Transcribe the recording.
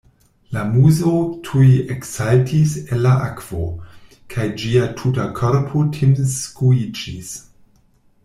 La Muso tuj eksaltis el la akvo, kaj ĝia tuta korpo timskuiĝis.